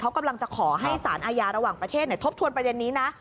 เขากำลังจะขอให้สารอาญาระหว่างประเทศทบทวนประเด็นนี้นะ